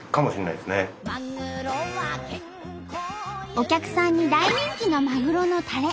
お客さんに大人気のまぐろのたれ。